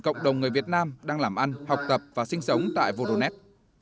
cộng đồng người việt nam đang làm ăn học tập và sinh sống tại voronet